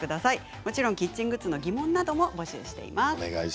もちろんキッチングッズの疑問なども募集しています。